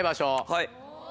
はい。